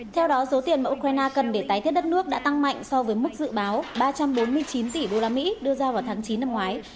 theo đó số tiền mà ukraine cần để tái thiết đất nước đã tăng mạnh so với mức dự báo ba trăm bốn mươi chín tỷ usd đưa ra vào tháng chín năm ngoái